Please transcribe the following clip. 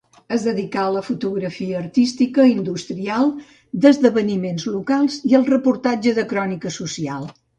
Es dedicà a la fotografia artística, industrial, d’esdeveniments locals i al reportatge de crònica social.